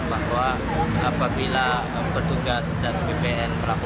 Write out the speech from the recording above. maka kami akan ditangkap